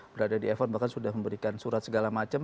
berada di f satu bahkan sudah memberikan surat segala macam